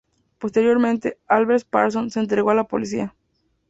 Posteriormente, Albert Parsons se entregó a la policía.